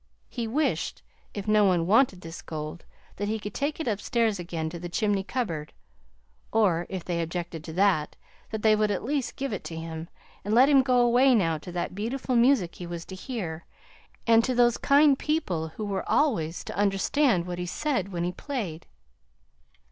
He wished, if no one wanted this gold, that he could take it upstairs again to the chimney cupboard; or, if they objected to that, that they would at least give it to him, and let him go away now to that beautiful music he was to hear, and to those kind people who were always to understand what he said when he played.